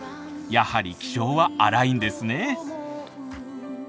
やはり気性は荒いんですね。